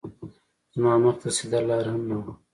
زما مخ ته سیده لار هم نه وه